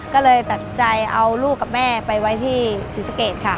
ก็เลยตัดใจเอาลูกกับแม่ไปไว้ที่ศรีสะเกดค่ะ